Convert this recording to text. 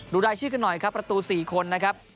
รายชื่อกันหน่อยครับประตู๔คนนะครับ